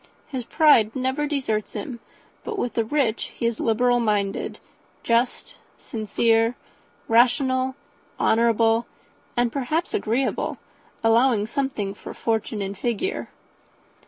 His pride never deserts him; but with the rich he is liberal minded, just, sincere, rational, honourable, and, perhaps, agreeable, allowing something for fortune and figure."